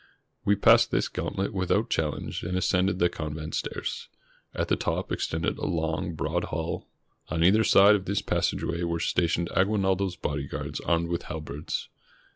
We passed this gantlet without challenge and as cended the convent stairs. At the top extended a long, broad hall. On either side of this passageway were stationed Aguinaldo's bodyguards armed with halberds.